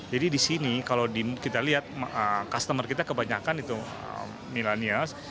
jadi di sini kalau kita lihat customer kita kebanyakan itu milenials